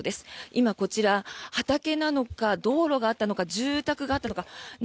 今こちら、畑なのか道路があったのか住宅があったのかな